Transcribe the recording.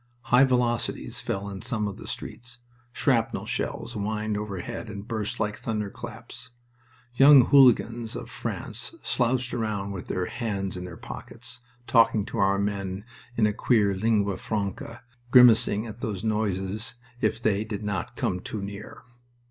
High velocities fell in some of the streets, shrapnel shells whined overhead and burst like thunderclaps. Young hooligans of France slouched around with their hands in their pockets, talking to our men in a queer lingua franca, grimacing at those noises if they did not come too near.